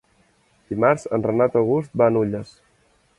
Dimarts en Renat August va a Nulles.